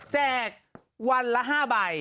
แจกวันละ๕ใบ